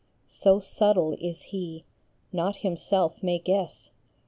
So subtle is he, not himself may guess RE PL Y.